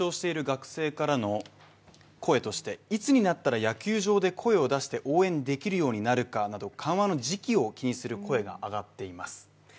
今主張している学生からの声としていつになったら野球場で声を出して応援できるようになるかなど緩和の時期を気にする声が上がっています